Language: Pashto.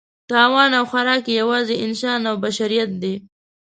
تاوان او خوراک یې یوازې انسان او بشریت دی.